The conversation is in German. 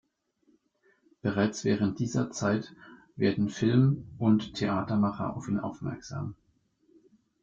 Bereits während dieser Zeit werden Film- und Theatermacher auf ihn aufmerksam.